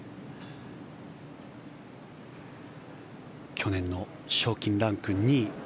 去年の賞金ランク２位。